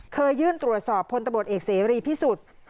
เคยยื่นตรวจสอบพลตำรวจเอกเสรีพิสุทธิ์